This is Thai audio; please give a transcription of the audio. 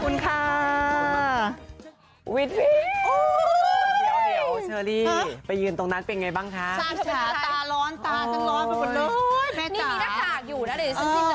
นี่มีถ้าจากอยู่นะใช่มั้ย